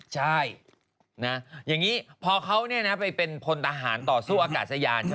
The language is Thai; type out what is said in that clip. ใช่นะอย่างนี้พอเขาไปเป็นพลทหารต่อสู้อากาศยานใช่ไหม